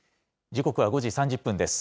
時刻は５時３０分です。